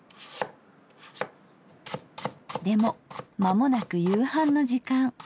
でも間もなく夕飯の時間。